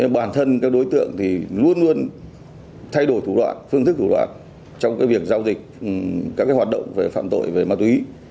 bản thân các đối tượng luôn luôn thay đổi thủ đoạn phương thức thủ đoạn trong việc giao dịch các hoạt động phạm tội và ma túy